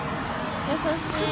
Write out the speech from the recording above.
優しい。